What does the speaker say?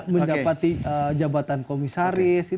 mendapati jabatan komisaris